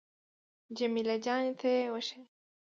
جمیله جانې ته يې وښيه.